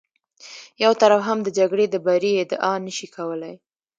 یو طرف هم د جګړې د بري ادعا نه شي کولی.